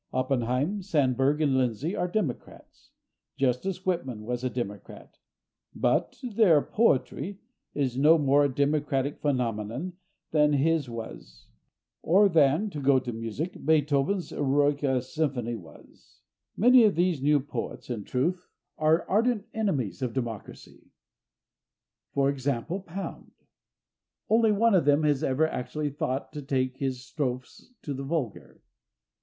Oppenheim, Sandburg and Lindsay are democrats, just as Whitman was a democrat, but their poetry is no more a democratic phenomenon than his was, or than, to go to music, Beethoven's Eroica Symphony was. Many of the new poets, in truth, are ardent enemies of democracy, for example, Pound. Only one of them has ever actually sought to take his strophes to the vulgar.